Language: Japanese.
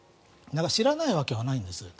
知らないわけはないんです。